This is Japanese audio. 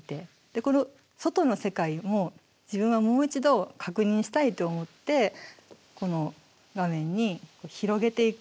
この外の世界も自分はもう一度確認したいと思ってこの画面に広げていく。